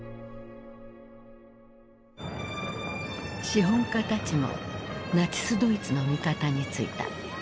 資本家たちもナチスドイツの味方についた。